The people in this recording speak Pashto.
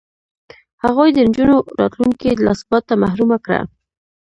هغوی د نجونو راتلونکې له ثباته محرومه کړه.